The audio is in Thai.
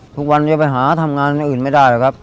ทุกวันจะไปหาทำงานอื่นไม่ได้ครับ